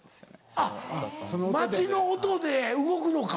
あっ街の音で動くのか。